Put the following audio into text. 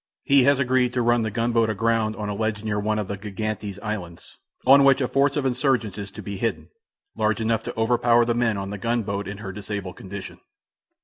He has agreed to run the gunboat aground on a ledge near one of the Gigantes Islands, on which a force of insurgents is to be hidden, large enough to overpower the men on the gunboat in her disabled condition.